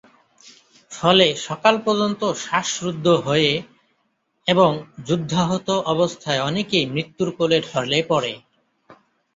ফলে সকাল পর্যন্ত শ্বাসরুদ্ধ হয়ে এবং যুদ্ধাহত অবস্থায় অনেকেই মৃত্যুর কোলে ঢলে পড়ে।